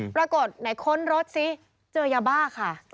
ปรากฏไหนค้นรถซิเจอยาบ้าค่ะ